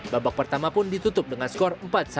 babak pertama pun ditutup dengan skor empat satu